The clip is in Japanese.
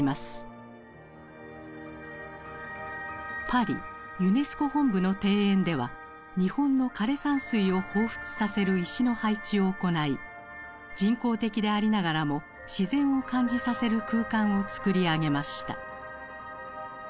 パリユネスコ本部の庭園では日本の枯山水を彷彿させる石の配置を行い人工的でありながらも自然を感じさせる空間を作り上げました。